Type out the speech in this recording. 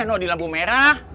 nuh di lampu merah